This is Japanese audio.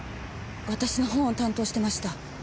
私の本を担当してました。